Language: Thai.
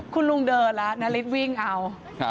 คุณลุงเดินแล้วนาริสวิ่งเอา